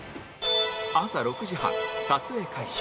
朝６時半撮影開始